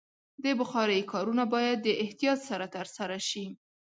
د بخارۍ کارونه باید د احتیاط سره ترسره شي.